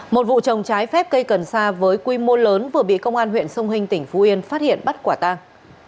một vụ trồng trái phép cây cần sa với quy mô lớn vừa bị công an huyện sông hình tỉnh phú yên phát hiện bắt quả tang